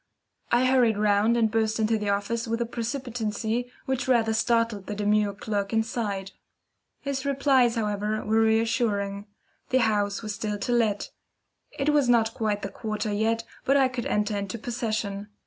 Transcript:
I hurried round and burst into the office with a precipitancy which rather startled the demure clerk inside. His replies, however, were reassuring. The house was still to let. It was not quite the quarter yet, but I could enter into possession.